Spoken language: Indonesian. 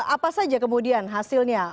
apa saja kemudian hasilnya